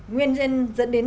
nguyên nhân dẫn đến